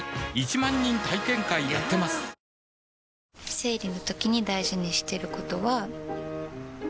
生理のときに大事にしてることは。